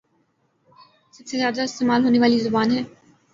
سب سے زیادہ استعمال ہونے والی زبان ہے